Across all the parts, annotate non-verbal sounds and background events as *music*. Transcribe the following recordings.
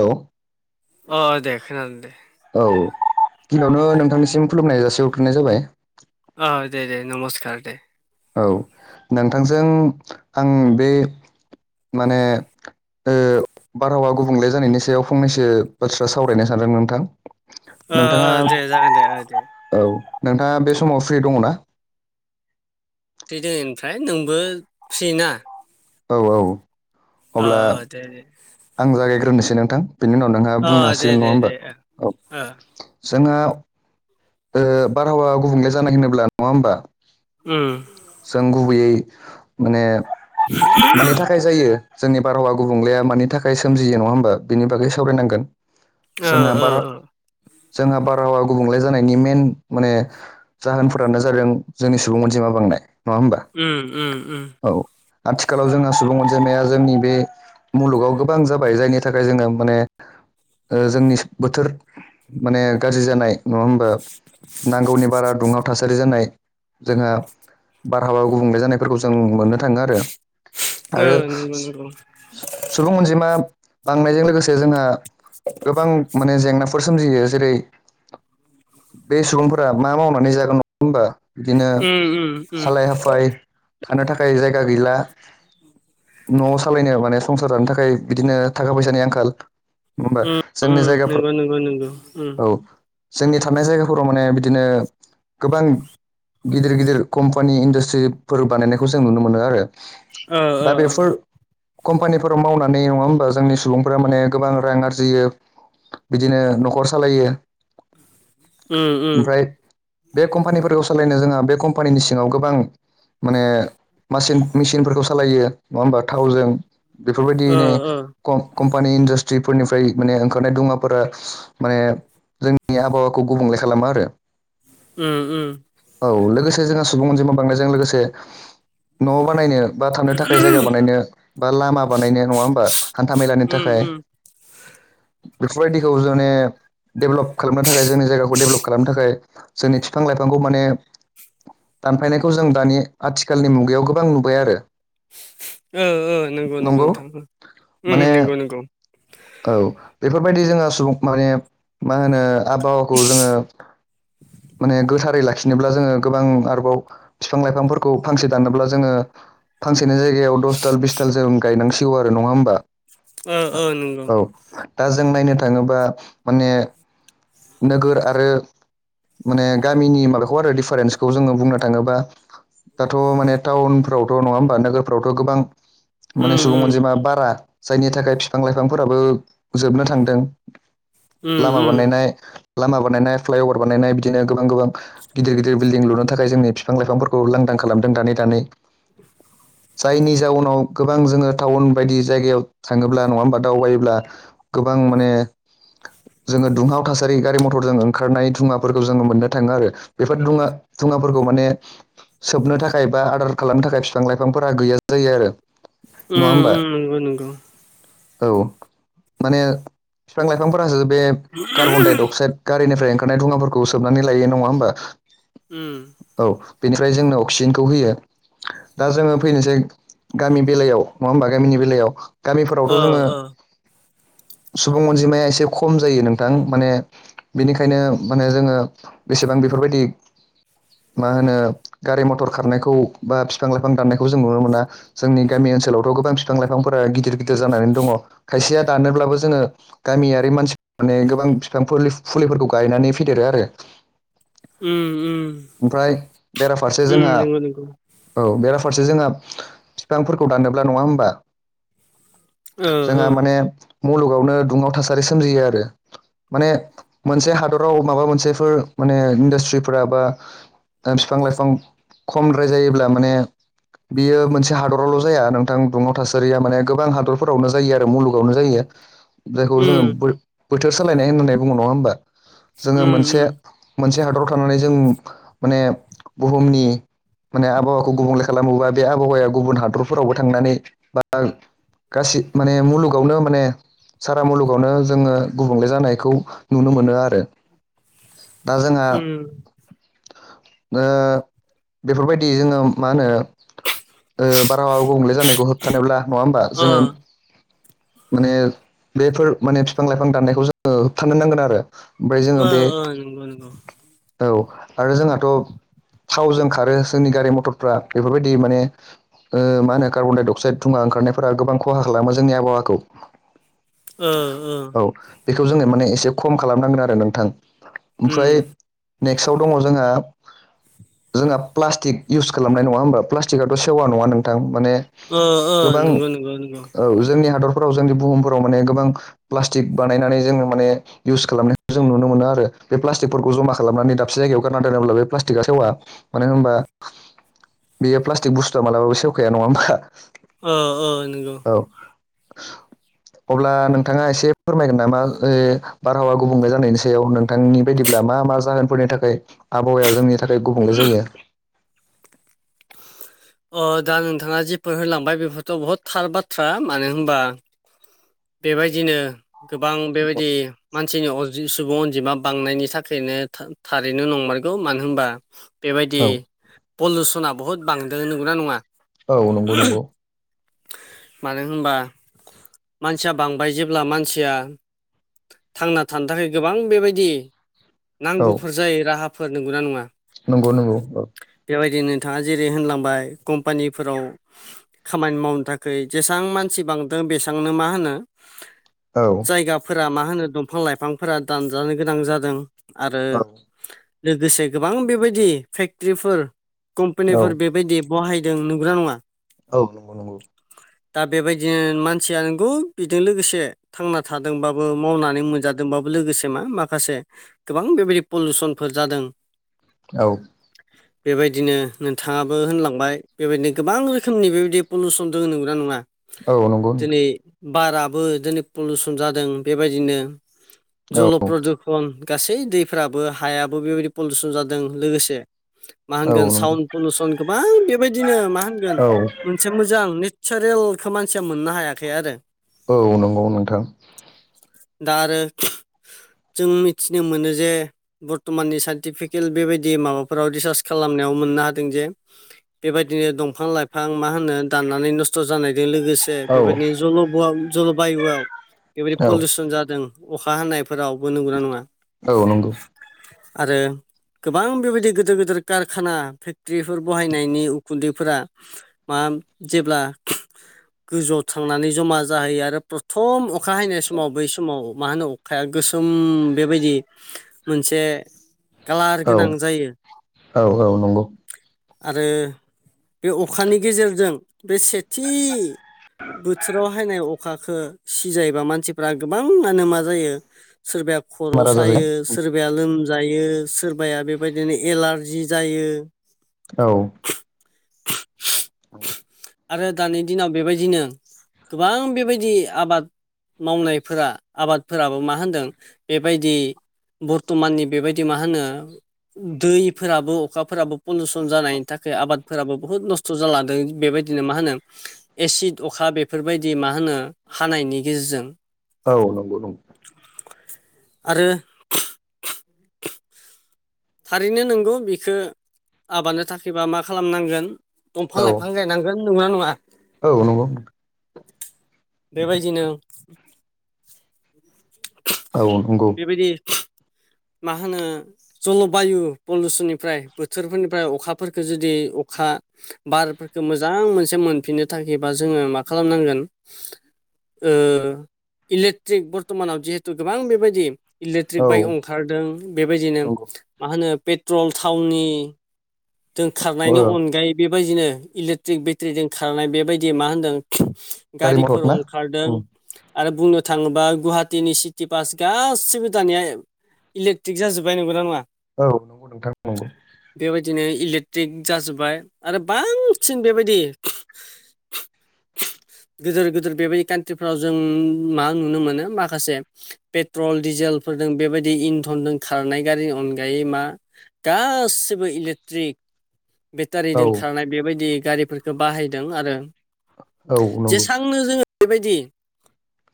औ अ दे खोनादों दे औ गिबियावनो नोंथांनिसिम खुलुमनाय जासि हरग्रोनाय जाबाय औ दे दे नमस्कार दे औ नोंथांजों आं बे माने ओ बारहावा गुबुंले जानायनि सायाव फंनैसो बाथ्रा सावरायनो सानदों नोंथां ओ नोंथाङा दे जागोन दे ओ दे औ नोंथाङा बे समाव फ्रि दङ ना दे दोनैनिफ्राय नोंबो फ्रि ना औ औ ओ अब्ला दे दे आं जागायग्रोनोसै नोंथां बेनि उनाव नोंहा बुंनो अ दे हासिगोन नङा दे होमबा दे औ ओ जोंनाव ओ बारहावा गुबुंले जानाय होनोब्ला नङा होमबा उम जों गुबैयै माने मानि थाखाय जायो जोंनि बारहावा गुबुंलाया मानि थाखाय सोमजियो नङा होमबा बिनि बागै सावरायनांगोन ओ जोंहा ओ बार ओ जोंहा बारहावा गुबुंलाय जानायनि मेन माने जाहोनफोरानो जागोन जोंनि सुबुं अनजिमा बांनाय नङा होमबा उम उम उम औ आथिखालाव जोंना सुबुं अनजिमाया जोंनि बे मुलुगाव गोबां जाबाय जायनि थाखाय जोङो माने जोंनि बोथोर माने गाज्रि जानाय नङा ओ नांगौनि बारा दुङाव थासारि जानाय जोंहा बारहावा गुबुंले जानायफोरखौ जों मोननो थाङो आरो आरो ओ नंगौ नंगौ उम सुबुं अनजिमा बांनायजों लोगोसे जोंहा गोबां माने जेंना फोर सोमजियो जेरै बे सुबुंफोरा मा मावनानै जागोन नङा होनबा उम उम उम हालाय हाफाय थानो थाखाय जायगा गैला न'आव सालायनो माने संसार जानो थाखाय बिदिनो थाखा फैसानि आंखाल नङाहमबा जोंनि उम जायगाफोर नंगौ नंगौ नंगौ औ उम जोंनि थानाय जायगाफोराव माने बिदिनो गोबां गिदिर गिदिर कम्पानि इन्डासट्रिफोर बानायनायखौ जों नुनो मोनो आरो ओ दा ओ बेफोर कम्पानिफोराव मावनानै नङा होमबा जोंनि सुबुंफोरा माने गोबां रां आरजियो बिदिनो न'खर सालायो उम उम ओमफ्राय बे कम्पानिफोरखौ सालायनो जोंहा बे कम कम्पानिनि सिङाव गोबां माने मासिन मेसिनफोरखौ सालायो नङा होमबा थावजों ओ बेफोरबायदियैनो ओ कम कम्पानि इन्डासट्रिफोरनिफ्राय माने ओंखारनाय दुङाफोरा माने जोंनि आबहावाखौ गुबुंले खालामो आरो उम उम औ लोगोसे जोंहा सुबुं अनजिमा बांनायायजों लोगोसे न'आव बानायनो बा थांनो थाखाय जायगा बानायनो बा लामा बानायनो नङा हमबा हान्था मेलानि उम थाखाय उम बेफोरबायदिखौ माने डेबलप खालामनो थाखाय जोंनि जायगाखौ डेबलप खालामनो थाखाय जोंनि बिफां लाइफांखौ माने दानफायनायखौ जों दानि आथिखालनि मुगायाव गोबां नुबाय आरो ओ ओ नोंगौ नोंगौ नंगौ नोंथां उम उम माने नोंगौ नोंगौ औ बेफोरबायदि जोंहा सुबुं माने मा होनो आबहावाखौ जोङो माने गोथारै लाखि बिनोब्ला जोङो गोबां आरोबाव बिफां लाइफांफोरखौ फांसे दानोब्ला जोङो फांसेनि जायगायाव दस दाल बिस दाल जों गायनांसिगौ आरो नङा होनोमबा ओ ओ नों औ दा जों नायनो थाङोबा माने नोगोर आरो माने गामिनि माबाखौ आरो दिडिफारेन्सखौ जोङो बुंनो थाङोबा दाथ' माने टाउनफ्रावथ' नङा होमबा नोगोरफ्रावथ' गोबां माने उम सुबुं उम अजेबा बारा जायनि थाखाय बिफां लाइफां फोराबो जोबनो थांदों उम लामा उम बानायनाय। लामा बानायनाय फ्लाइअभार बानायनाय बिदिनो गोबां गोबां गिदिर गिदिर बिल्डिं लुनो थाखाय जोंनि बिफां लाइफांफोरखौ लांदां खालामदों दानै दानै *inaudible* जायनि जाउनाव गोबां जोङो टाउन बायदि जायगायाव थाङोब्ला नङा होमबा? दावबायोब्ला गोबां माने जोङो दुंहाव थासारि गारि मथरजों ओंखारनाय मुवाफोरखौ जोङो मोननो थाङो आरो बेफोर दुङा दुङाफोरखौ माने सोबनो थाखाय बा आदार खालामनो थाखाय बििफां लाइफांफोरा गैया जायो आरो उम नङा होमबा? नंगौ नंगौ। औ माने बिफां लाइफांफोरासो बे कार्बन डाइ अक्साइद गारिनिफ्राय ओंखारनाय दुङाफोरखौ सोबनानै लायो नङा होमबा? उओम औ बेनिफ्राय जोंनो अक्सिजेनखौ होयो। दा जोङो फैनोसै गामि बेलायाव नङा होमबा गामिनि बेलायाव गामिफोर ओ जोङो ओ सुबुं अनजिमाया एसे खम जायो नोंथां माने बिनिखायनो माने जोङो बेसेबां बेफोरबायदि मा होनो गारि मथर खारनायखौ बा बिफां लाइफां दाननायखौ जों नुनो मोना। जोंनि गामि ओनसोलावथ' गोबां बिफां लाइफांफोरा गिदिर गिदिर जानानै दङ खायसेया दानोब्लाबो जोङो गामियारि मानसिफ माने गोबां बिफां फुलिफोरखौ गायनानै फेदेरो आरो उम उम ओमफ्राय बेराफारसे उम जोंहा नंगौ नंगौ औ बेराफारसे जोंहा बिफांफोरखौ दानोब्ला नङा होमबा? ओ ओ जोंहा माने मुलुगावनो दुङाव थासारि सोमजियो आरो माने मोनसे हादराव माबा मोनसेफोर माने इन्डास्ट्रिफोरा बा बिफां लाइफां खमद्राय जायोब्ला माने बियो मोनसे हादरावल' जाया नोंथां दुङाव थासारिया माने गोबां हादर फोरावनो जायो आरो मुलुगावनो जायो जायखौ जोङो उम बोथोर सोलायनाय होननानै बुङो नङा होमबा? जोङो उम मोनसे उम मोनसे हादराव थानानै जों माने बुहुमनि माने आबहावाखौ गुबुंले खालामोबा बे आबहावाया गुबुन हादरफोरावबो थांनानै बा गासै माने मुलुगावनो माने सारा मुलुगावनो जोङो गुबुंले जानायखौ नुनो मोनो आरो। दा जोंहा। उम बेफोरबायदि जोङो मा होनो। बारहाव गुबुंले जानायखौ होबथानोब्ला नङा होमबा अ जोङो माने बेफोर माने बिफां लाइफां दाननायखौ जोङो होबथानो नांगोन आरो ओमफ्राय जोङो अ बे औ नंगौ नंगौ। औ आरो जोंहाथ' थावजों खारो जोंनि गारि मथरफ्रा बेफोरबायदि माने मा होनो कारबनडाय अक्साइड थुुं ओंखारनायफोरा गोबां खहा खालामोोंनि आबावखौ *inaudible* बेखौ जोङो माने एसे खम खालामनांगोन आरो नोंथां उम ओमफ्राय नेक्स्टआव दङ जोंहा जोंहा प्लास्टिक इउस खालामनाय नङा होमबा प्लास्टिकआाथ' सेवा नङा नोंथां माने ओ ओ गोबां नंगौ नंगौ नंगौ जोंनि हादरफोराव जोंनि बुहुमफोराव माने गोबां प्लास्टिक बानायनानै जोङो माने इउस खालामनायखौ जों नुनो मोनो आरो बे प्लास्टिकफोरखौ जमा खालाम खालामनानै दाबसे जायगायाव गारना थांब्ला बे प्लास्टिकआ सेवा मानो होनबा? बेयो प्लास्टिक बुस्थुा मालाबाबो सेवखाया नङा होमा? ओ ओ नंगौ। औ अब्ला नोंथाङा एसे फोरमायगोन नामा? बारहावा गुबुंले जानायनि सायाव नोंथांनि बायदिब्ला मा मा जाहोनफोरनि थाखाय आबहावाया जोंनि थाखाय गुबुंले जायो अ दा नोंथाङा जिेफोर होलांबाय बेफोरथ' बहुद थार बाथ्रा मानो होनबा बेबायदिनो गोबां बेबायदि मानसिनि सुबुं अनजिमा बांनायनि थाखायनो थारैनो नंमारगौ मानो होनबा बेबायदि औ पलुसना बहुद बांद नंगौना नङा औ नंगौ नंगौ मानो होनबा मानसिया बांबाय जेब्ला मानसिया थांना थानो थाखाय गोबां बेबायदि औ नांगौफोर जायो राहाफोर नंगौना नङा नंगौ नंगौ औ बेबायदिनो नोंथाङा जेरै होनलांबाय कम्पानिफोराव खामानि मावनो थाखाय जेसेबां मानसि बांदों बेसेबांनो मा होनो औ जायाफोराा मा होनो दंफां लाइफांफोरा दानजानो गोनां जादों आरो लोगोसे गोबां बेबायदि फेक्टर्रिफोर कम्पानिफोर औ बेबायदि बाहायदों नंगौ ना नङा औ नंगौ नंगौ दा बेबायदिनो मानसिया नंगौ बिजों लोगोसे थांना थादोंबाबो मावनानै मोनजादोंबाबो लोगोसे मा माखासे गोबां बेबायदि पलिउसनफोर जादों औ बेबायदिनो नोंथाङाबो होनलांबाय बेबायदिनो गोबां रोखोमनि बेबायदि पलिुसन दोङो नंगौना नङा औ नंगौ दिनै बाराबो दिनै पलिउसन जादों बेबायदिनो जल औ प्रदुखन गासै दैफोराबो हायाबो बेबायदि पलिउसन जादों लोगोसे मा होनगोन औ नंगौ साउड पलिुसन गोबां बेबायदिनो मा होनगोन औ मोनसे मोजां नेचारेलखौ मानसिया मोननो हायाखै आरो औ नंगौ नोंथां दा आरो जों मिथिनो मोनो जे बर्थ'माननि साइन्टिफिकेल बेबायदि माबाफोराव रिसार्च खालामनायाव मोननो हादों जे बेबायदिनो दंफां लाइफां मा होनो दाननानै नस्थ' जानायजों लोगोसे औ बेबायदिनो जल बायुआव बेबायदि औ पलिउसन जादों अखा हानाय फोरावबो नंगौना नंङा औ नंगौ आरो गोबां बेबायदि गिदिर गिदिर कारखाना फेक्ट्रिफोर बहायनायनि उखुन्दैफोरा मा जेब्ला गोजौआव थांनानै जमा जा जाहैयो आरो प्रथम अखा हैनाय समाव बै समाव मा होनो अखाया गोसोम बेबायदि मोनसे कालार औ गोनां जायो औ औ नंगौ आरो बे अखानि गेजेरजों बे सेथि बोथोराव अखाखौ सिजायोबा मानसिफ्रा गोबां मानो मा जायो सोरबाया खर' बेमार आजार सायो सोरबाया लोमजायो सोरबाया बेबायदिनो एलारजि जायो। औ नंगौ आरो दानि दिनाव बेबायदिनो गोबां बेबायदि आबाद मावनायफोरा आबादफोराबो मावनाय होनदों बेबायदि बर्थ'माननि बेबायदि मा होनो दैफोराबो अखाफोराबो पलिुसन जानायनि थाखाय आबादफोराबो बुहुत नस्थ' जाालदों बेबायदि बिदिनो मा होनो एसिड अखा बेफोरबायदि मा होनो हानायनि गेजेरजों औ नंगौ नंगौ आरो थारैनो नंगौ बेखौ आबादनो थाखायबा मा खालामनांगोन दंफां औ लाइफां गायनां नंगौना नङा औ नंगौ बेबायदिनो *unintelligible* औ नंगौ बेबायदि मा होनो जल' बायु पलिउसननिफ्राय बोथोरफोरनिफ्राय अखाफोरफोरखौ जुदि अखा बारफोरखौ मोजां मोनसे मोनफिननो थाखायबा जोङो मा खालामनांगोन ओ इलेक्ट्रिक बर्थमानाव जिहेतु गोबां बेबायदि इलेक्ट्रिक औ बाइक ओंखारदों बेबायदिनो नंगौ मा होनो पेट्रल थावनि जों खारनायनि औ अनगायै बेबायदिनो इलेक्ट्रिक बेटारिजों खारनाय बेबायदि मा होनदों। गारि गारिफोर मथर ना ओंखारदों आरो बुंनो थाङोबा गुवाहाटीनि सिटि बास गासैबो दानिया इलेकट्रिक जाजोब्बाय नंगौना नङा औ नंगौ नोंथां नंगौ देबाय दिनो इलेक्ट्रिक जाजोब्बाय आरो बांसिन बेबायदि गोदोर गोदिर बेबायदि कान्ट्रिफ्राव जों मा नुनो मोनो माखासे पेट्रल डिजेलफोरदों बेबायदि इन्धनजों खारनाय गारिनि अनगायै मा गासिबो इलेक ट्रिक औ बेटारिजों खारनाय बेबायदि गारिफोरखौ बाहायदों आरो औ नंगौ बुंनो जोङो बेबायदि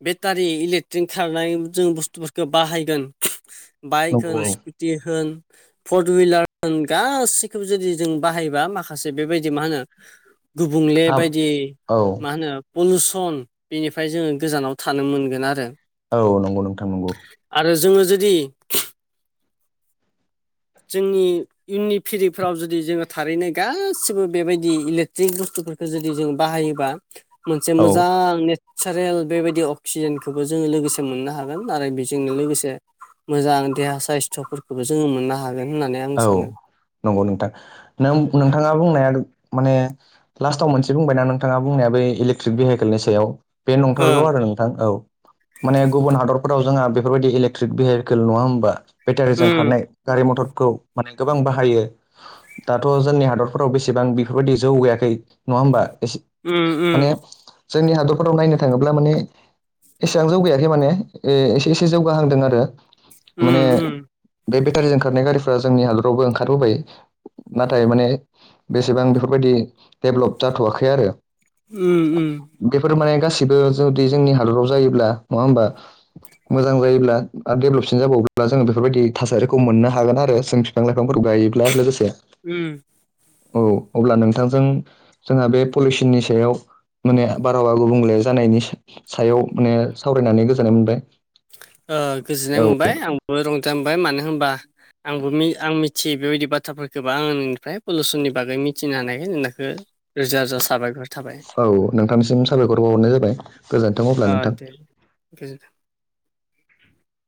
बेटारि इलेक्ट्रिक खारनाय जों बुस्थुफोरखौ बाहायगोन बाइक नंगौ होन औ स्कुटि होन फर हुइलार होन गास जुदि जों बाहायोबा माखासे बेबायदि मा होनो गुबुंले हाब बायदि औ मा होनो पलुसन बेनिफ्राय जोङो गोजानाव थानो मोनगोन आरो औ नंगौ नोंथां नंगौ आरो जोङो जुदि जोंनि इयुननि फिरिफोराव जुदि जोङो थारैनाय गासिबो बेबायदि इलेकट्रिक जुदि जों बाहायोबा मोनसे औ मोजां ने नेसारेल बेबायदि अक्सिजेनखौबो जोङो लोगोसे मोननो हागोन आरो बेजोंनो लोगोसे मोजां देहा साइस्थ'फोरखौबो जोङो मोननो हागोन होननानै आं औ सानो नंगौ नोंथां नों नोंथाङा बुंनाया माने लास्टाव मोनसे बुंबायना नोंथाङा बुंनाया बै इलेकट्रिक भेहिकेलनि सायाव बे नंथारगौ ओं आरो नों औ माने गुबुन हादरफोराव जोंहा बेफोरबायदि इलेकट्रिक भेहिकेल नङा होमबा बेटारिजों उम खारनाय गारि मथरखौ माने गोबां बाहायो दाथ' जोंनि हादरफोराव बेसेबां बेफोरबायदि जौगायाखै नङा होमबा एसे उम माने उम जोंनि हादरफोराव नायनो थाङोब्ला माने एसेबां जौगायाखै माने एसे एसे जौगाहांदों आरो उम माने उम बे बेटारिजों ओंखारनाय गारिफोरा जोंनि हादरावबो ओंखारबोबाय नाथाय माने बेसेबां बेफोरबायदि डेभ्लप जाथ'वाखै आरो उम उम बेफोर माने गासिबो जुदि जोंनि हादराव जायोब्ला नङा होनबा मोजां जायोब्ला आरो डेभेलपसिन जाबावब्ला जोङो बेफोरबायदि थासारिखौ मोननो हागोन आरो जों बिफां लाइफांफोरखौ गायोब्ला आरो लोगोसे उम औ अब्ला नोंथांजों जोंहा बे पलिउसननि सायाव माने बारहावा गुबुंले जानायनि सायाव माने सावरायनानै गोजोननाय मोनबाय गोजोननाय मोनबाय औ आंबो रंजा मोनबाय मानो होनबा आंबो आं मिथियोै बेबायदि बाथ्राफोरखौबा आंनिफ्राय पलिउसननि बागै मिथिनो हानायखाय नोंनाखौ रोजा रोजा साबायर औ नोंथांसिम साबायखर बावहरनाय जाबाय गोजोन्थों अब्ला ओ नोंथां दे गोजोनथों